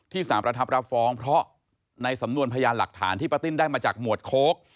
สารประทับรับฟ้องเพราะในสำนวนพยานหลักฐานที่ป้าติ้นได้มาจากหมวดโค้ก